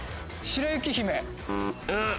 『白雪姫』。